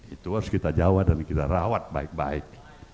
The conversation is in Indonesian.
itu harus kita jawab dan kita rawat baik baik